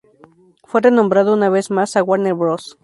Fue renombrado una vez más a Warner Bros.